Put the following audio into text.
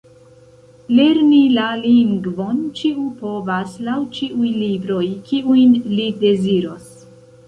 Lerni la lingvon ĉiu povas laŭ ĉiuj libroj, kiujn li deziros.